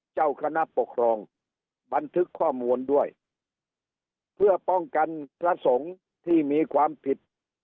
เจ้าคณะปกครองบันทึกข้อมูลด้วยเพื่อป้องกันพระสงฆ์ที่มีความผิด